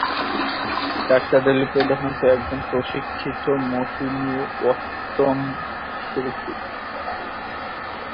Doctor Rele প্রধানত একজন প্রশিক্ষিত মোহিনীঅট্টম শিল্পী।